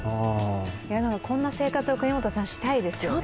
こんな生活を國本さん、したいですよね？